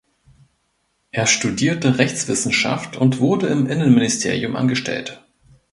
Er studierte Rechtswissenschaft und wurde im Innenministerium angestellt.